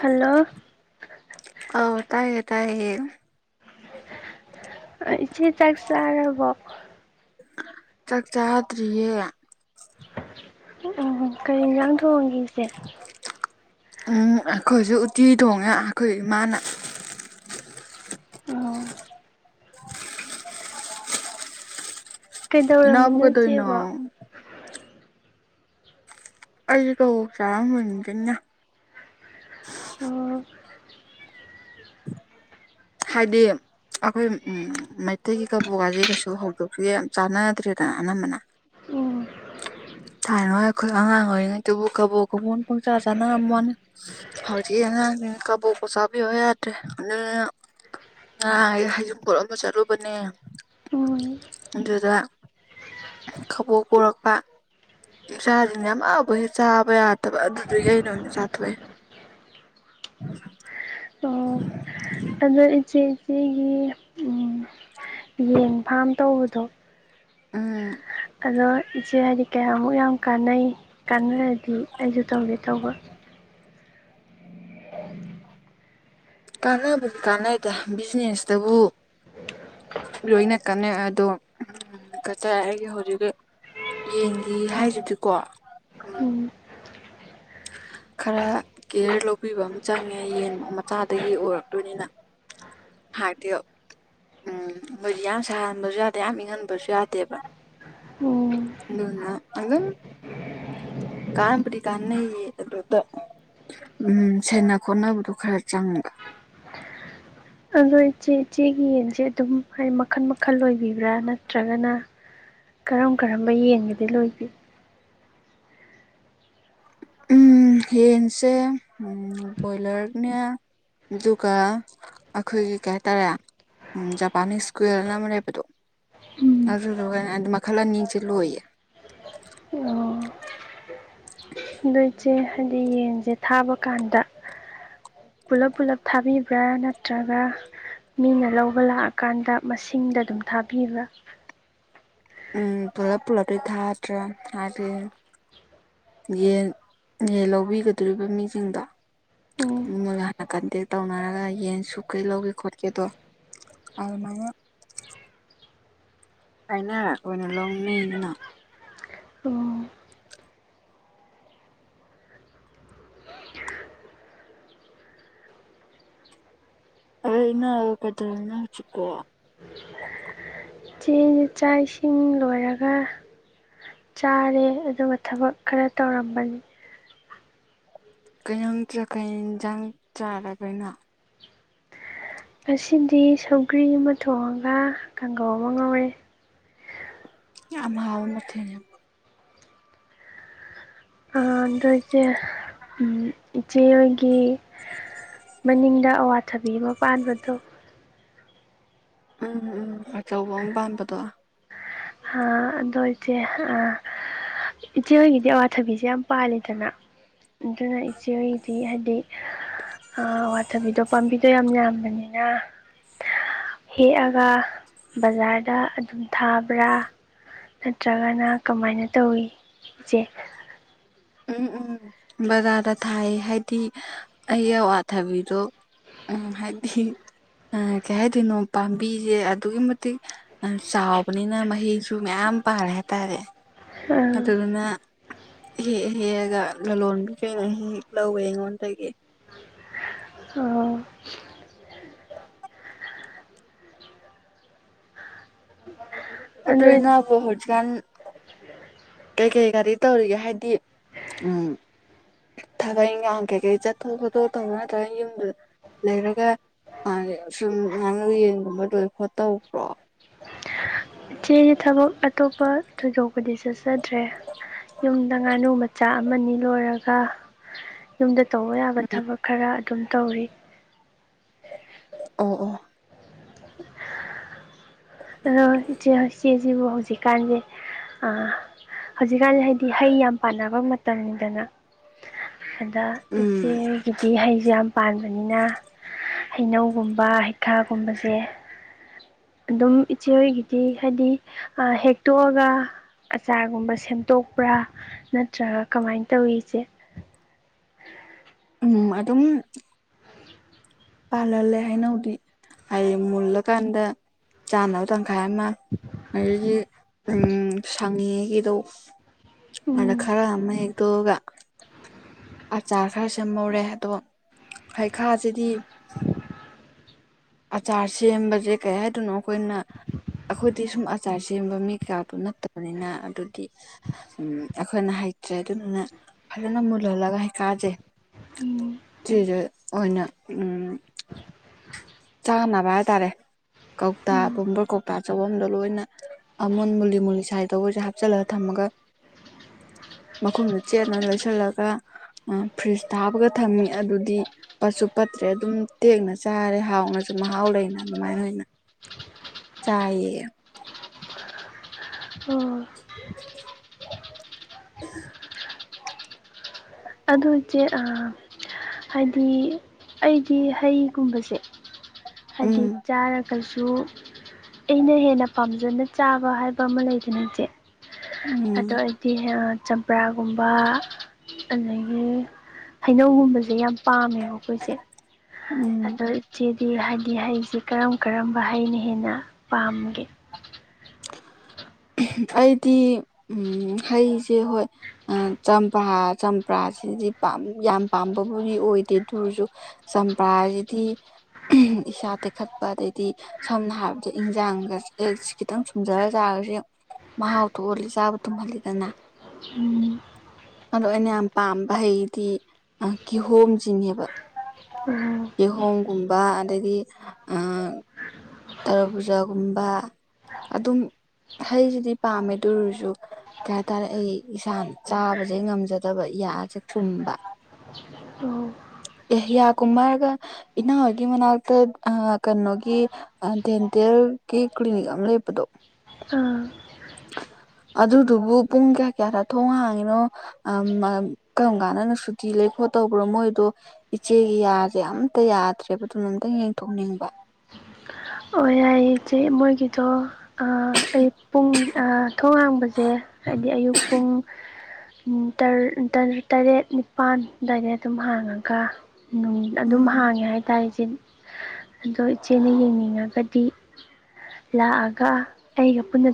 Hello ꯑ ꯇꯥꯏꯌꯦ ꯇꯥꯏꯌꯦ ꯏꯆꯦ ꯆꯥꯛ ꯆꯔꯕꯣ ꯆꯥꯛ ꯆꯥꯗ꯭ꯔꯤꯌꯦ ꯎꯝ ꯀꯔꯤ ꯏꯟꯖꯥꯡ ꯊꯣꯡꯒꯦ ꯏꯆꯦ ꯎꯝ ꯑꯩꯈꯣꯏꯁꯨ ꯎꯠꯇꯤ ꯊꯣꯡꯉꯦ ꯑꯩꯈꯣꯏ ꯏꯃꯥꯅ ꯑꯣ ꯏꯅꯥꯎꯕꯨ ꯀꯩꯗꯧꯔꯝꯃꯤꯅꯣ ꯀꯩꯗꯧꯔꯤꯅꯣ ꯏꯆꯦꯕꯣ ꯑꯩꯗꯤ ꯀꯕꯣꯛ ꯆꯥꯔꯝꯕꯅꯤ ꯀꯩꯅ ꯑꯣ ꯍꯥꯏꯗꯤ ꯑꯩꯈꯣꯏ ꯎ ꯃꯩꯇꯩꯒꯤ ꯀꯕꯣꯛꯀꯥꯁꯦ ꯀꯩꯁꯨ ꯍꯧꯗꯣꯛꯁꯨ ꯌꯥꯝ ꯆꯥꯟꯅꯗ꯭ꯔꯦꯗꯅ ꯑꯅꯝꯕꯅ ꯎꯝ ꯊꯥꯏꯅꯣꯏ ꯑꯩꯈꯣꯏ ꯑꯉꯥꯡ ꯑꯣꯏꯔꯤꯉꯩꯗꯨꯕꯨ ꯀꯕꯣꯛ ꯀꯕꯣꯟ ꯄꯨꯡꯆꯥꯥ ꯆꯥꯅꯉꯝꯃꯣꯅꯤ ꯍꯧꯖꯤꯛ ꯀꯥꯕꯣꯀ ꯆꯥꯕꯤꯌꯨ ꯌꯥꯗ꯭ꯔꯦ ꯉꯔꯥꯡ ꯑꯩ ꯍꯩꯖꯤꯡꯄꯣꯠ ꯑꯃ ꯆꯠꯂꯨꯕꯅꯦ ꯎꯝ ꯑꯗꯨꯗ ꯈꯕꯣꯛ ꯄꯨꯔꯛꯄ ꯏꯆꯥꯁꯤꯡꯅ ꯌꯥꯝ ꯑꯕ ꯍꯦ ꯆꯥꯕ ꯌꯥꯗꯕ ꯑꯗꯨꯁꯨ ꯑꯩꯅꯅꯦ ꯆꯥꯊꯣꯛꯑꯦ [inaudible] ꯑꯗ ꯏꯆꯦ ꯁꯤꯒꯤ ꯌꯦꯟ ꯐꯥꯝ ꯇꯧꯕꯗꯣ ꯎꯝ ꯑꯗꯣ ꯏꯆꯦ ꯍꯥꯏꯗꯤ ꯀꯌꯥꯃꯨꯛ ꯌꯥꯝ ꯀꯥꯟꯅꯩ ꯀꯥꯟꯅꯔꯗꯤ ꯑꯩꯁꯨ ꯇꯧꯒꯦ ꯇꯧꯕ ꯀꯥꯟꯅꯕꯗꯤ ꯀꯥꯟꯅꯩꯗ ꯕꯤꯖꯤꯅꯦꯁꯇꯕꯨ ꯂꯣꯏꯅ ꯀꯟꯅꯩ ꯑꯗꯣ ꯀꯠꯆꯔ ꯑꯩꯒꯤ ꯍꯧꯖꯤꯛ ꯌꯦꯟꯒꯤ ꯍꯥꯏꯖꯤꯗꯤꯀꯣ ꯎꯝ [inaudible] ꯈꯔ ꯀꯦꯌꯔ ꯂꯧꯕꯤꯕ ꯑꯃ ꯆꯪꯉꯦ ꯌꯦꯟ ꯃꯆꯥꯗꯒꯤ ꯑꯣꯏꯔꯛꯇꯣꯏꯅꯤꯅ ꯍꯥꯏꯗꯤꯌꯣ ꯎꯝ ꯃꯣꯏꯗꯤ ꯌꯥꯝ ꯁꯥꯍꯟꯕꯖꯨ ꯌꯥꯗꯦ ꯌꯥꯝ ꯏꯪꯍꯟꯕꯖꯨ ꯌꯥꯗꯦꯕ ꯎꯝ ꯑꯗꯨꯗꯨꯅ ꯑꯗꯨꯝ ꯀꯥꯟꯄꯨꯗꯤ ꯀꯥꯟꯅꯩꯌꯦ ꯑꯗꯨꯗ ꯎꯝ ꯁꯦꯟꯅ ꯈꯣꯠꯅꯕꯗꯣ ꯈꯔ ꯆꯪꯕ ꯑꯗꯣ ꯏꯆꯦ ꯏꯆꯦꯒꯤ ꯌꯦꯟꯖꯦ ꯑꯗꯨꯝ ꯍꯥꯏꯗꯤ ꯃꯈꯜ ꯃꯈꯜ ꯂꯣꯏꯕꯤꯕ꯭ꯔꯥ ꯅꯠꯇ꯭ꯔꯒꯅ ꯀꯔꯝ ꯀꯔꯝꯕ ꯌꯦꯡꯒꯗꯤ ꯂꯣꯏꯕꯤ ꯎꯝ ꯌꯦꯟꯁꯦ ꯎꯝ ꯕꯣꯏꯂꯔ ꯅꯦ ꯑꯗꯨꯒ ꯑꯩꯈꯣꯏꯒꯤ ꯀꯩ ꯍꯥꯏꯇꯥꯔꯦ ꯎꯝ ꯖꯄꯥꯟꯅꯤꯁ ꯀ꯭ꯋꯨꯏꯜꯅ ꯑꯃ ꯂꯩꯕꯗꯣ ꯎꯝ ꯑꯗꯨꯗꯨꯒ ꯑꯗ ꯃꯈꯜ ꯑꯅꯤꯖꯦ ꯂꯣꯏꯌꯦ ꯑꯗꯨ ꯏꯠꯆꯦ ꯍꯥꯏꯗꯤ ꯌꯦꯟꯖꯦ ꯊꯥꯕ ꯀꯥꯟꯗ ꯄꯨꯂꯞ ꯄꯨꯂꯞ ꯊꯥꯕꯤꯕ꯭ꯔꯥ ꯅꯠꯇ꯭ꯔꯒ ꯃꯤꯅ ꯂꯧꯕ ꯂꯥꯛꯑꯀꯥꯟꯗ ꯃꯁꯤꯡꯗ ꯑꯗꯨꯝ ꯊꯥꯕꯤꯕ꯭ꯔꯥ ꯎꯝ ꯄꯨꯂꯞ ꯄꯨꯂꯞꯇꯤ ꯊꯥꯗ꯭ꯔꯦ ꯍꯥꯏꯗꯤ ꯌꯦꯟ ꯌꯦꯟ ꯂꯧꯕꯤꯒꯗꯣꯔꯤꯕ ꯃꯤꯖꯤꯡꯗꯣ ꯎꯝ ꯃꯣꯏꯒ ꯍꯥꯟꯅ ꯀꯟꯇꯦꯛ ꯇꯧꯅꯔꯒ ꯌꯦꯟ ꯁꯨꯛ ꯀꯩ ꯂꯧꯒꯦ ꯈꯣꯠꯀꯦꯗꯣ ꯑꯗꯨꯃꯥꯏꯅ ꯍꯥꯏꯅꯔ ꯑꯣꯏꯅ ꯂꯧꯅꯩꯅ ꯎꯝ [unintelligible] ꯆꯦ ꯑꯩꯖꯦ ꯆꯥꯛ ꯏꯁꯤꯡ ꯂꯣꯏꯔꯒ ꯆꯥꯔꯦ ꯑꯗꯨꯒ ꯊꯕꯛ ꯈꯔ ꯇꯧꯔꯝꯕꯅꯤ [unintelligible] ꯉꯁꯤꯗꯤ ꯁꯧꯒ꯭ꯔꯤ ꯑꯃ ꯊꯣꯡꯉꯒ ꯀꯥꯡꯒꯧ ꯑꯃ ꯉꯧꯔꯦ ꯌꯥꯝ ꯍꯥꯎꯕ ꯃꯊꯦꯜꯅꯦ ꯑꯗꯣ ꯏꯆꯦ ꯎꯝ ꯏꯆꯦꯍꯣꯏꯒꯤ ꯃꯅꯤꯡꯗ ꯑꯋꯥꯊꯕꯤ ꯑꯃ ꯄꯥꯟꯕꯗꯣ ꯎꯝ ꯎꯝ ꯑꯆꯧꯕ ꯑꯃ ꯄꯥꯟꯕꯗꯣ ꯑꯥ ꯑꯗꯣ ꯏꯆꯦ ꯑꯥ ꯏꯆꯦ ꯍꯣꯏꯒꯤꯗꯤ ꯑꯋꯥꯊꯕꯤꯁꯦ ꯌꯥꯝ ꯄꯥꯜꯂꯤꯗꯅ ꯑꯗꯨꯅ ꯏꯆꯦ ꯍꯣꯒꯤꯗꯤ ꯍꯥꯏꯗꯤ ꯑꯋꯥꯊꯕꯤꯗꯣ ꯄꯥꯝꯕꯤꯗꯣ ꯌꯥꯝ ꯌꯥꯝ ꯕꯅꯤꯅ ꯍꯦꯛꯑꯒ ꯕꯖꯥꯔꯗ ꯑꯗꯨꯝ ꯊꯥꯕ ꯕ꯭ꯔꯥ ꯅꯠꯇ꯭ꯔꯒꯅ ꯀꯃꯥꯏꯅ ꯇꯧꯋꯤ ꯏꯆꯦ ꯎꯝ ꯎꯝ ꯕꯔꯥꯗ ꯊꯥꯏꯌꯦ ꯍꯥꯏꯗꯤ ꯑꯩꯒꯤ ꯑꯋꯥꯊꯕꯤꯗꯣ ꯎꯝ ꯍꯥꯏꯗꯤ ꯀꯩ ꯍꯥꯏꯗꯣꯏꯅꯣ ꯄꯥꯝꯕꯤꯖꯦ ꯑꯗꯨꯛꯀꯤ ꯃꯇꯤꯛ ꯆꯥꯎꯕꯅꯤꯅ ꯃꯍꯩꯁꯨ ꯃꯌꯥꯝ ꯌꯥꯝ ꯄꯥꯜꯂꯦ ꯍꯥꯏꯇꯥꯔꯦ ꯑꯥ ꯑꯗꯨꯗꯨꯅ ꯍꯦꯛꯑ ꯍꯦꯛꯑꯒ ꯂꯂꯣꯟꯕꯤꯒꯩꯅ ꯍꯦꯛ ꯍꯦꯛ ꯂꯧꯋꯦ ꯑꯩꯉꯣꯟꯗꯒꯤ ꯑꯣ ꯑꯗꯣ ꯏꯅꯥꯎꯕꯣ ꯍꯧꯖꯤꯛꯀꯥꯟ ꯀꯩ ꯀꯩ ꯒꯥꯔꯤ ꯇꯧꯔꯤꯒꯦ ꯍꯥꯏꯗꯤ ꯎꯝ ꯊꯕꯛ ꯏꯟꯈꯥꯡ ꯀꯩ ꯀꯩ ꯆꯠꯊꯣꯛ ꯈꯣꯠꯇꯣꯛ ꯇꯧꯕ ꯅꯠꯇ꯭ꯔꯒ ꯌꯨꯝꯗꯨ ꯂꯩꯔꯒ ꯑꯗꯩ ꯑ ꯁꯨꯝ ꯉꯥꯅꯨ ꯌꯦꯟꯒꯨꯝꯕ ꯂꯣꯏ ꯈꯣꯠ ꯇꯧꯕ꯭ꯔꯣ ꯏꯆꯦ ꯑꯩꯗꯤ ꯊꯕꯛ ꯑꯇꯣꯞꯄ ꯊꯣꯏꯗꯣꯛꯄꯗꯤ ꯆꯠꯆꯗ꯭ꯔꯦ ꯌꯨꯝꯗ ꯉꯥꯅꯨ ꯃꯆꯥ ꯑꯃꯅꯤ ꯂꯣꯏꯔꯒ ꯌꯨꯝꯗ ꯇꯧꯕ ꯌꯥꯕ ꯊꯕꯛ ꯈꯔ ꯑꯗꯨꯝ ꯇꯧꯔꯤ ꯑꯣ ꯑꯣ ꯑꯗꯣ ꯏꯆꯦ ꯏꯆꯦꯖꯤꯕꯨ ꯍꯧꯖꯤꯛꯀꯥꯟꯖꯦ ꯑꯥ ꯍꯧꯖꯤꯛꯀꯥꯟꯁꯦ ꯍꯥꯏꯗꯤ ꯍꯩ ꯌꯥꯝ ꯄꯥꯟꯅꯕ ꯃꯇꯝꯅꯤꯗꯅ ꯑꯗ ꯎꯝ ꯏꯆꯦꯒꯤꯗꯤ ꯍꯩꯖꯦ ꯌꯥꯝ ꯄꯥꯟꯕꯅꯤꯅ ꯍꯩꯅꯧꯒꯨꯝꯕ ꯍꯩꯈꯥꯒꯨꯝꯕꯁꯦ ꯑꯗꯨꯝ ꯏꯆꯦ ꯍꯣꯏꯒꯤꯗꯤ ꯍꯥꯏꯗꯤ ꯍꯦꯛꯇꯣꯛꯑꯒ ꯑꯆꯥꯔꯒꯨꯝꯕ ꯁꯦꯝꯗꯣꯛꯄ꯭ꯔꯥ ꯅꯠꯇ꯭ꯔꯒ ꯀꯃꯥꯏꯅ ꯇꯧꯏ ꯏꯆꯦ ꯎ [inaudible] ꯎꯝ ꯑꯗꯨꯝ ꯄꯥꯜꯂꯂꯦ ꯍꯩꯅꯧꯗꯤ ꯍꯥꯏꯗꯤ ꯃꯨꯜꯂꯀꯥꯟꯗ ꯆꯥꯅꯕ [unintelligible] ꯎꯝ ꯁꯪꯉꯤꯉꯩꯒꯤꯗꯣ ꯑꯗ ꯎꯝ ꯈꯔ ꯑꯃ ꯍꯦꯛꯇꯣꯛꯑꯒ ꯑꯆꯥꯔ ꯈꯔ ꯁꯦꯝꯍꯧꯔꯦ ꯑꯗꯣ ꯍꯩꯈꯥꯁꯤꯗꯤ ꯑꯆꯥꯔ ꯁꯦꯝꯕꯁꯦ ꯀꯩ ꯍꯥꯏꯗꯣꯏꯅꯣ ꯑꯩꯈꯣꯏꯅ ꯑꯩꯈꯣꯏꯗꯤ ꯁꯨꯝ ꯑꯆꯥꯔ ꯁꯦꯝꯕ ꯃꯤ ꯀꯌꯥꯗꯨ ꯅꯠꯇꯕꯅꯤꯅ ꯑꯗꯨꯗꯤ ꯑꯩꯈꯣꯏꯅ ꯍꯩꯇꯕ ꯍꯩꯇ꯭ꯔꯦ ꯑꯗꯨꯗꯨꯅ ꯐꯖꯅ ꯃꯨꯜꯍꯜꯂꯒ ꯍꯩꯈꯥꯁꯦ ꯎꯝ [unintelligible] ꯆꯥꯅꯕ ꯍꯥꯏꯇꯥꯔꯦ ꯀꯧꯇꯥ ꯎꯝ ꯕꯣꯝꯕꯔ ꯀꯧꯇꯥ ꯆꯐꯝꯗꯣ ꯂꯣꯏꯅ ꯑꯃꯨꯟ ꯃꯨꯂꯤ ꯃꯨꯂꯤ ꯁꯥꯏ ꯇꯧꯕꯁꯦ ꯍꯥꯞꯆꯤꯜꯂꯒ ꯊꯝꯃꯒ [inaudible] ꯃꯈꯨꯝꯗꯣ ꯆꯦꯠꯅ ꯂꯣꯏꯁꯤꯜꯂꯒ ꯐ꯭ꯔꯤꯖ ꯇꯥ ꯍꯥꯞꯄꯒ ꯊꯝꯃꯤ ꯑꯗꯨꯗꯤ ꯄꯠꯁꯨ ꯄꯠ ꯇ꯭ꯔꯦ ꯑꯗꯨꯝ ꯇꯦꯡꯅ ꯆꯥꯔꯦ ꯍꯥꯎ ꯍꯧꯅꯁꯨ ꯃꯍꯥꯎ ꯂꯩꯅ ꯑꯗꯨꯃꯥꯏꯅ ꯑꯣꯏꯅ ꯆꯥꯏꯌꯦ ꯑꯣ [inaudible] ꯑꯗꯨꯆꯦ ꯑ ꯍꯥꯏꯗꯤ ꯑꯩꯗꯤ ꯍꯩꯒꯨꯝꯕꯁꯦ ꯍꯥꯏꯗꯤ ꯎꯝ ꯆꯥꯔꯒ ꯀꯩꯁꯨ ꯑꯩꯅ ꯍꯦꯟꯅ ꯄꯥꯝꯖꯅ ꯆꯥꯕ ꯍꯥꯏꯕ ꯑꯃ ꯂꯩꯗꯅ ꯏꯆꯦ ꯎꯝ ꯑꯗꯣ ꯑꯩꯗꯤ ꯆꯝꯄ꯭ꯔꯥꯒꯨꯝꯕ ꯑꯗꯒꯤ ꯍꯩꯅꯧꯒꯨꯝꯕꯁꯦ ꯌꯥꯝ ꯄꯥꯝꯃꯦꯕ ꯀꯣꯏꯁꯦ ꯎꯝ ꯑꯗ ꯏꯆꯦꯗꯤ ꯍꯥꯏ ꯗꯤ ꯍꯩꯁꯤ ꯀꯔꯝ ꯀꯔꯝꯕ ꯍꯩꯅ ꯍꯦꯟꯅ ꯄꯥꯝꯒꯦ ꯑꯩꯗꯤ ꯍꯩꯁꯦ ꯍꯣꯏ ꯆꯝꯄ꯭ꯔꯥ ꯆꯝꯄ꯭ꯔꯥ ꯑꯁꯤꯗꯤ ꯌꯥꯝ ꯄꯥꯝꯕꯕꯨꯗꯤ ꯑꯣꯏꯗꯦ ꯑꯗꯨꯑꯣꯏꯔꯁꯨ ꯆꯝꯄ꯭ꯔꯥꯁꯤꯗꯤ ꯏꯁꯥ ꯇꯦꯛꯈꯠꯄ ꯑꯗꯩꯗꯤ ꯁꯝꯅ ꯍꯥꯏꯔꯕꯗ ꯏꯟꯖꯥꯡꯒꯥꯁꯦ ꯈꯤꯇꯪ ꯊꯨꯝꯖꯔ ꯆꯥꯔꯁꯦ ꯃꯍꯥꯎ ꯊꯣꯛꯍꯜꯂꯤ ꯆꯥꯕ ꯇꯨꯝꯍꯜꯂꯤꯗꯅ ꯎꯝ ꯑꯗꯣ ꯑꯩꯅ ꯌꯥꯝ ꯄꯥꯝꯕ ꯍꯩꯗꯤ ꯀꯤꯍꯣꯝꯖꯤ ꯅꯦꯕ ꯎꯝ ꯀꯤꯍꯣꯝꯒꯨꯝꯕ ꯑꯗꯒꯤ ꯑ ꯇꯔꯕꯨꯖꯥ ꯒꯨꯝꯕ ꯑꯗꯨꯝ ꯍꯩꯁꯤꯗꯤ ꯄꯥꯝꯃꯦ ꯑꯗꯨ ꯑꯣꯏꯔꯁꯨ ꯀꯩ ꯍꯥꯏꯇꯥꯔꯦ ꯑꯩ ꯏꯁꯥꯅ ꯆꯥꯕꯁꯦ ꯉꯝꯖꯗꯕ ꯌꯥꯁꯦ ꯊꯨꯝꯕ [inaudible] ꯑꯦ ꯌꯥꯀꯨꯝꯕ ꯍꯥꯏꯔꯒ ꯏꯅꯝꯃꯥꯒꯤ ꯃꯅꯥꯛꯇ ꯑ ꯀꯅ‌ꯣꯒꯤ ꯗꯦꯟꯇꯜ ꯒꯤ ꯀꯂꯤꯅꯤꯛ ꯑꯃ ꯂꯩꯕꯗꯣ ꯑꯥ ꯑꯗꯨꯗꯨꯕꯨ ꯄꯨꯡ ꯀꯌꯥ ꯀꯌꯥꯗ ꯊꯣꯡ ꯍꯥꯡꯉꯤꯅꯣ ꯀꯔꯝ ꯀꯥꯟꯗꯅ ꯁꯨꯇꯤ ꯂꯩꯕꯅꯣ ꯇꯧꯕ꯭ꯔꯣ ꯃꯣꯏꯗꯣ ꯏꯆꯦꯒꯤ ꯌꯥꯁꯦ ꯑꯝꯇ ꯌꯥꯗ꯭ꯔꯦꯕ ꯑꯗꯨꯅ ꯑꯝꯛꯇꯪ ꯌꯦꯡꯊꯣꯛꯅꯤꯡꯕ ꯑꯣ ꯌꯥꯏꯌꯦ ꯏꯆꯦ ꯃꯣꯏꯒꯤꯗꯣ ꯑꯌꯨꯛ ꯄꯨꯡ ꯊꯣꯡ ꯍꯥꯡꯕꯁꯦ ꯍꯥꯏꯗꯤ ꯑꯌꯨꯛ ꯄꯨꯡ ꯇꯔꯦꯠ ꯅꯤꯄꯥꯜ ꯑꯗꯥꯏꯗꯩꯩ ꯑꯗꯨꯝ ꯍꯥꯡꯉꯒ ꯑꯗꯨꯝ ꯎꯝ ꯍꯥꯡꯉꯦ ꯍꯥꯏꯇꯥꯔꯦ ꯏꯆꯦ ꯑꯗꯣ ꯏꯆꯦꯅ ꯌꯦꯡꯅꯤꯡꯉꯒꯗꯤ ꯂꯥꯛꯑꯒ ꯑꯩꯒ ꯄꯨꯟꯅ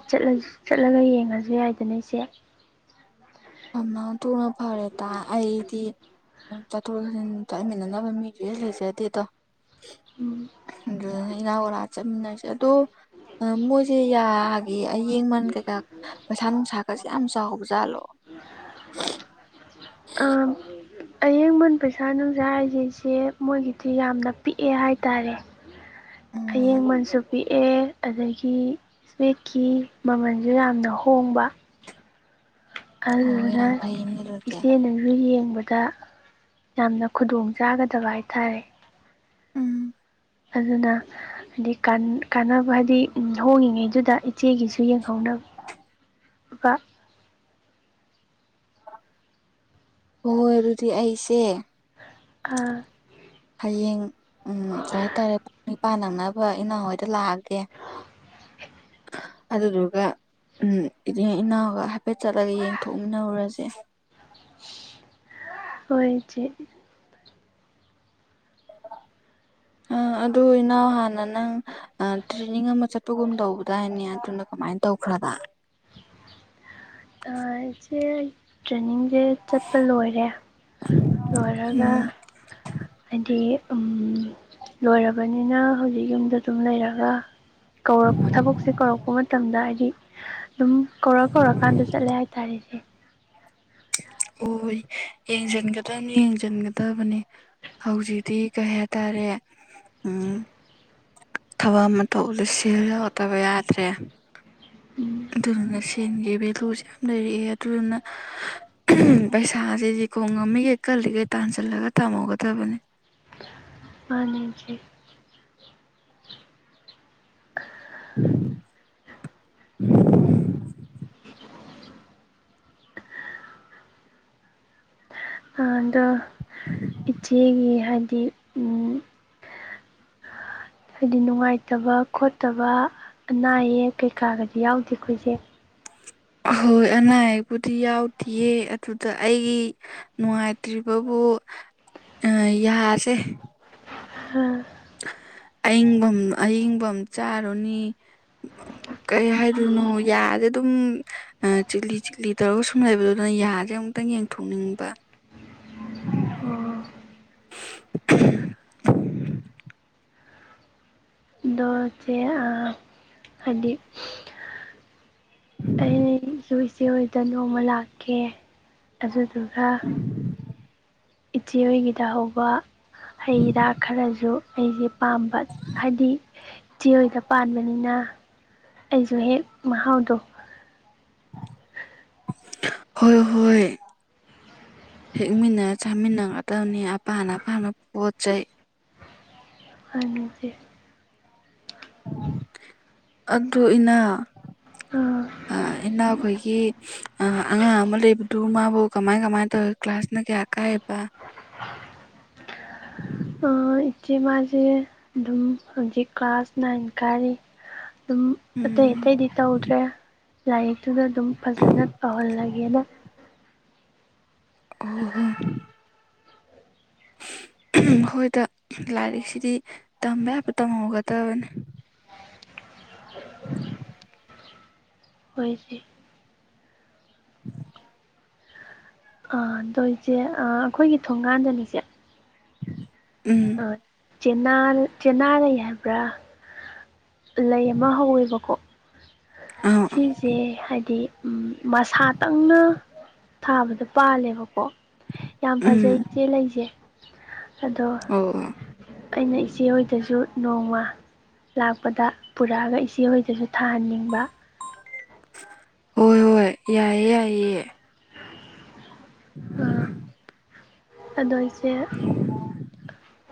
ꯆꯠꯂꯒ ꯌꯦꯡꯉꯁꯨ ꯌꯥꯏꯗꯅ ꯏꯆꯦ ꯑꯃ ꯑꯗꯨꯅ ꯐꯔꯦꯗ ꯑꯩꯗꯤ ꯆꯠꯊꯣꯛꯆꯥꯁꯤꯟ ꯆꯠꯃꯤꯟꯅꯅꯕ ꯃꯤꯁꯨ ꯍ‌ꯦꯛ ꯂꯩꯖꯗꯦꯗꯣ ꯎꯝ ꯑꯗꯨ ꯏꯅꯥꯎ ꯂꯥ ꯆꯠꯃꯤꯟꯅꯁꯦ ꯑꯗꯣ ꯑ ꯃꯣꯏꯁꯦ ꯌꯥꯒꯤ ꯑꯌꯦꯡꯃꯟ ꯀꯩꯀꯥ ꯄꯩꯁꯥ ꯅꯨꯡꯁꯥꯒꯁꯦ ꯌꯥꯝ ꯆꯥꯎꯕ ꯖꯥꯠꯂꯣ ꯑꯥ ꯑꯌꯦꯡꯃꯟ ꯄꯩꯁꯥ ꯅꯨꯡꯁꯥ ꯍꯥꯏꯁꯤꯁꯦ ꯃꯣꯏꯒꯤꯗꯤ ꯌꯥꯝꯅ ꯄꯤꯛꯑꯦ ꯍꯥꯏꯇꯥꯔꯦ ꯎꯝ ꯑꯌꯦꯡꯃꯟꯁꯨ ꯄꯤꯛꯑꯦ ꯑꯗꯒꯤ ꯏꯁꯄ‌ꯦꯛꯀꯤ ꯃꯃꯜꯁꯨ ꯌꯥꯝꯅ ꯍꯣꯡꯕ ꯍꯣꯏ ꯑꯗꯨꯅ ꯌꯥꯝ ꯐꯩꯅꯦ ꯑꯗꯨꯗꯤ ꯏꯆꯦꯅꯁꯨ ꯌꯦꯡꯕꯗ ꯗ ꯌꯥꯝꯅ ꯈꯨꯗꯣꯡ ꯆꯥꯒꯗꯕ ꯍꯥꯏꯇꯥꯔꯦ ꯎꯝ ꯑꯗꯨꯅ ꯍꯥꯏꯗꯤ ꯀꯥꯟꯅꯕ ꯍꯥꯏꯗꯤ ꯍꯣꯡꯉꯤꯉꯩꯗꯨꯗ ꯏꯆꯦꯒꯤꯁꯨ ꯌꯦꯡꯍꯧꯅꯕ ꯀ ꯍ‌ꯣ ꯍꯣꯏ ꯑꯗꯨꯗꯤ ꯑꯩꯁꯦ ꯑ ꯍꯌꯦꯡ ꯎꯝ ꯀꯩꯍꯥꯏꯇꯥꯔꯦ ꯄꯥ ꯅꯪꯅꯕ ꯏꯅꯥꯎ ꯍꯣꯏꯗ ꯂꯥꯛꯑꯒꯦ ꯑꯗꯨꯗꯨꯒ ꯎꯝ ꯏꯆ ꯏꯅꯥꯎꯒ ꯍꯥꯏꯐꯦꯠ ꯆꯠꯂꯒ ꯌꯦꯡꯊꯣꯛꯃꯤꯟꯅꯔꯨꯔꯁꯦ ꯍꯣꯏ ꯏꯆꯦ [inaudible] ꯑꯗꯨ ꯏꯅꯥꯎ ꯍꯥꯟꯅ ꯅꯪ ꯇ꯭ꯔꯦꯅꯤꯡ ꯑꯃ ꯆꯠꯄꯒꯨꯝ ꯇꯧꯕꯗꯥꯏꯅꯦ ꯑꯗꯨꯅ ꯀꯃꯥꯏꯅ ꯇꯧꯈ꯭ꯔꯕ [inaudible] ꯑ ꯏꯆꯦ ꯇ꯭ꯔꯦꯅꯤꯡ ꯁꯦ ꯆꯠꯄ ꯂꯣꯏꯔꯦ ꯂꯣꯏꯔꯒ ꯎꯝ ꯑꯗꯤ ꯎꯝ ꯂꯣꯏꯔꯕꯅꯤꯅ ꯍꯧꯖꯤꯛ ꯌꯨꯝꯗ ꯑꯗꯨꯝ ꯂꯩꯔꯒ ꯀꯧꯔꯛ ꯊꯕꯛꯁꯦ ꯀꯧꯔꯛꯄ ꯃꯇꯝꯗ ꯍꯥꯏꯗꯤ ꯑꯗꯨꯝ ꯀꯧꯔ ꯀꯧꯔꯛ [inaudible] ꯍꯣꯏ ꯌꯦꯡꯁꯤꯟꯒꯗꯕꯅꯤ ꯌꯦꯡꯁꯤꯟꯒꯗꯕꯅꯤ ꯍꯧꯖꯤꯛꯇꯤ ꯀꯩ ꯍꯥꯏꯇꯥꯔꯦ ꯎꯝ ꯊꯕꯛ ꯑꯃ ꯇꯧ ꯎꯠꯂꯁꯤ ꯌꯥꯎꯗꯕ ꯌꯥꯗ꯭ꯔꯦ ꯎꯝ ꯑꯗꯨꯗꯨꯅ ꯁꯦꯟꯒꯤ ꯚꯦꯂꯨꯁꯦ ꯌꯥꯝ ꯂꯩꯔꯛꯑꯦ ꯑꯗꯨꯗꯨꯅ ꯄꯩꯁꯥꯁꯤꯗꯤ ꯈꯣꯡ ꯉꯝꯃꯤꯈꯩ ꯀꯜꯂꯤꯈꯩ ꯇꯥꯟꯁꯤꯜꯂꯒ ꯇꯝꯍꯧꯒꯗꯕꯅꯤ ꯃꯥꯅꯦ ꯏꯆ‌ꯦ [inaudible] ꯑꯗꯣ ꯏꯆꯦꯒꯤ ꯍꯥꯏꯗꯤ ꯍꯥꯏꯗꯤ ꯅꯨꯡꯉꯥꯏꯇꯕ ꯈꯣꯠꯇꯕ ꯑꯅꯥ ꯑꯌꯦꯛ ꯀꯩꯀꯥꯒꯗꯤ ꯌꯥꯎꯗꯦꯀ‌ꯣ ꯏꯆ‌ꯦ ꯑꯍꯣꯏ ꯑꯅꯥ ꯑꯌꯦꯛꯕꯨꯗꯤ ꯌꯥꯎꯗꯌꯦ ꯑꯗꯨꯗ ꯑꯩꯒꯤ ꯅꯨꯡꯉꯥꯏꯇ꯭ꯔꯤꯕꯕꯨ ꯑꯣ ꯑ ꯌꯥꯁꯦ [inaudible] ꯑꯌꯤꯡꯕ ꯑꯌꯤꯡꯕꯝ ꯆꯥꯔꯨꯅꯤ ꯀꯩ ꯍꯥꯏꯔꯨꯅꯣ ꯌꯥꯗ ꯑꯗꯨꯝ ꯆꯤꯛꯂꯤ ꯆꯤꯛꯂꯤ ꯇꯧꯔꯒ ꯁꯨꯝ ꯂꯩꯕꯗꯣ ꯑꯗꯨꯅ ꯌꯥꯁꯦ ꯑꯃꯨꯛꯇꯪ ꯌꯦꯡꯊꯣꯛꯅꯤꯡꯕ ꯑꯣ [inaudible] ꯗꯣ ꯆꯦ ꯑ ꯍꯥꯏꯗꯤ ꯑꯩꯁꯨ ꯏꯆꯦ ꯍꯣꯏꯗ ꯅꯣꯡꯃ ꯂꯥꯛꯀꯦ ꯑꯗꯨꯗꯨꯒ ꯏꯆꯦ ꯍꯣꯏꯒꯤꯗ ꯍꯧꯕ ꯍꯩ ꯔꯥ ꯈꯔꯁꯨ ꯑꯩꯁꯦ ꯄꯥꯝꯕ ꯍꯥꯏꯗꯤ ꯆꯦꯍꯣꯏꯗ ꯄꯥꯟꯕꯅꯤꯅ ꯑꯩꯁꯨ ꯍꯦꯛ ꯃꯍꯥꯎꯗꯣ ꯍꯣꯏ ꯍꯣꯏ ꯍꯦꯛꯃꯤꯟꯅꯔ ꯆꯥꯃꯤꯟꯅꯒꯗꯕꯅꯤ ꯑꯄꯥ ꯑꯄꯥꯅ ꯄꯣꯠ ꯆꯩ ꯍꯪꯅꯤꯡꯁꯦ ꯑꯗꯨ ꯏꯅꯥ ꯑꯣ ꯏꯅꯥꯎꯈꯣꯏꯒꯤ ꯑꯉꯥꯡ ꯑꯃ ꯂꯩꯕꯗꯨ ꯃꯥꯕꯨ ꯀꯃꯥꯏ ꯀꯃꯥꯏꯅ ꯇꯧꯋ ꯀ꯭ꯂꯥꯁꯅ ꯀꯌꯥ ꯀꯩꯍꯥꯏꯕ ꯏꯆꯦ ꯃꯥꯁꯤ ꯑꯗꯨꯝ ꯍꯧꯖꯤꯛ ꯀ꯭ꯂꯥꯁ ꯅꯥꯏꯟ ꯀꯥꯔꯤ꯫ ꯑꯗꯨꯝ ꯑꯇꯩ ꯎꯝ ꯑꯇꯩꯗꯤ ꯇꯧꯗ꯭ꯔꯦ ꯂꯥꯏꯔꯤꯛꯁꯤ ꯑꯗꯨꯨꯗ ꯑꯗꯨꯝ ꯐꯖꯅ ꯇꯧꯍꯜꯂꯒꯦꯅ ꯑꯩꯅ ꯑꯍꫭ ꯍꯣ ꯎ [unintelligible] [inaudible] ꯑꯍꯝ꯫ ꯃꯈꯣꯏꯗ ꯂꯥꯏꯔꯤꯛꯁꯤꯗꯤ ꯇꯝꯕ ꯌꯥꯕ ꯇꯝꯍꯧꯒꯗꯕꯅꯤ꯫ ꯎꯝ [unintelligible] [inaudible] ꯍꯣꯏ ꯏꯆꯦ [inaudible] [unintelligible] ꯑꯥ ꯏꯆꯦ ꯑꯩꯈꯣꯏꯒꯤ ꯊꯣꯡꯒꯥꯟꯗꯅꯤꯁꯤ ꯎꯝꯝ ꯆꯦꯅꯥ ꯆꯦꯅꯥ ꯂꯩ ꯍꯥꯏꯕ꯭ꯔꯥ ꯂꯩ ꯑꯃ ꯍꯧꯋꯦꯕꯥꯀꯣ ꯑ ꯁꯤꯁꯦ ꯍꯥꯏꯕꯗꯤ ꯃꯁꯥꯇꯪꯅꯥ ꯊꯥꯕꯗ ꯑꯩꯅ ꯄꯥꯜꯂꯦꯕꯀꯣ ꯌꯥꯝ ꯎꯝ ꯐꯖꯩ ꯏꯆꯦ ꯂꯩꯁꯦ ꯑꯗꯣ ꯑꯣ ꯑꯩꯅ ꯏꯆꯦ ꯗ ꯏꯆꯦꯍꯣꯏꯗꯁꯨ ꯅꯣꯡꯃ ꯂꯥꯛꯄꯗ ꯄꯨꯔꯛꯑꯒ ꯏꯆꯦꯍꯣꯏꯗꯁꯨ ꯊꯥꯍꯟꯅꯤꯡꯕꯒꯤ ꯅꯤ ꯗ ꯍꯣꯏ ꯍꯣꯏ ꯌꯥꯏꯌꯦ ꯌꯥꯏꯌꯦ ꯄꯨꯔꯛꯑꫭ ꯑꯥ ꯑꯗꯣ ꯏꯆꯦ [inaudible] [unintelligible]